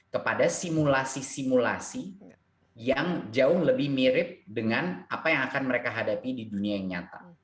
kepada simulasi simulasi yang jauh lebih mirip dengan apa yang akan mereka hadapi di dunia yang nyata